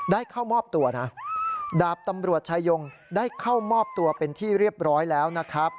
เข้ามอบตัวนะดาบตำรวจชายงได้เข้ามอบตัวเป็นที่เรียบร้อยแล้วนะครับ